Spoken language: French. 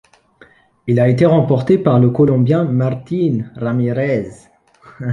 Il a été remporté par le Colombien Martín Ramírez.